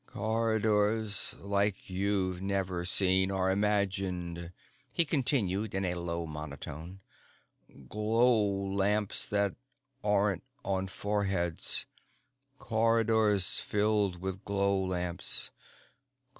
" corridors like you've never seen or imagined," he continued in a low monotone. "Glow lamps that aren't on foreheads. Corridors filled with glow lamps.